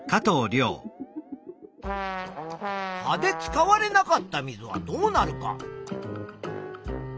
葉で使われなかった水はどうなるか。